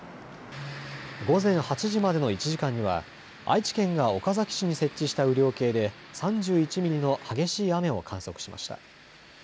午前８時までの１時間には愛知県が岡崎市に設置した雨量計で３１ミリの激しい雨を観測しました。